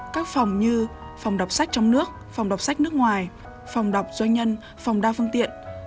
các phòng như phòng đọc sách trong nước phòng đọc sách nước ngoài phòng đọc doanh nhân phòng đa phương tiện